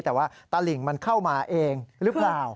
แต่ว่าตลิ่งมันเข้ามาเองหรือเปล่า